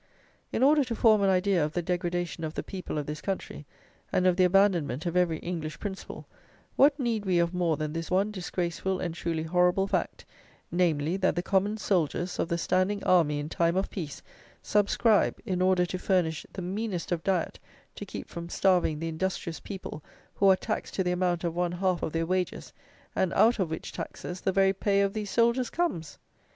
In order to form an idea of the degradation of the people of this country, and of the abandonment of every English principle, what need we of more than this one disgraceful and truly horrible fact, namely, that _the common soldiers, of the standing army in time of peace, subscribe, in order to furnish the meanest of diet to keep from starving the industrious people who are taxed to the amount of one half of their wages, and out of which taxes the very pay of these soldiers comes_!